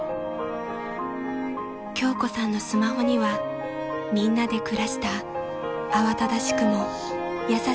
［京子さんのスマホにはみんなで暮らした慌ただしくも優しい日々の記録が残っています］